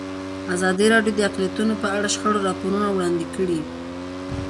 ازادي راډیو د اقلیتونه په اړه د شخړو راپورونه وړاندې کړي.